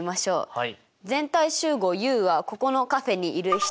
はい。